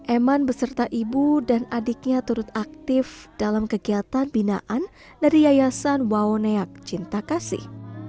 eman beserta ibu dan adiknya turut aktif dalam kegiatan binaan dari yayasan wawoneak cinta kasih